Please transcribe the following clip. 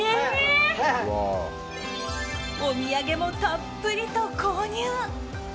お土産もたっぷりと購入。